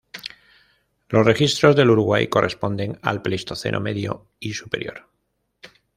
Los registros del Uruguay corresponden al Pleistoceno medio y superior.